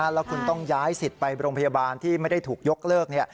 แล้วคุณต้องย้ายสิทธิ์ไปโรงพยาบาลที่ไม่ได้ถูกยกเลิก